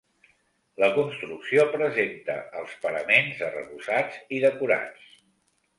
La construcció presenta els paraments arrebossats i decorats.